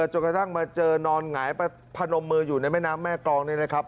จนกระทั่งมาเจอนอนหงายพนมมืออยู่ในแม่น้ำแม่กรองนี่นะครับ